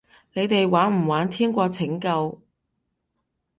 你哋玩唔玩天國拯救？